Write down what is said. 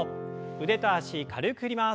腕と脚軽く振ります。